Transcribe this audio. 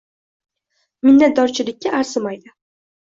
Minnatdorchilikka arzimaydi.